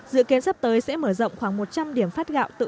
dự kiến sắp tới sẽ mở rộng khoảng một trăm linh điểm phát gạo tự động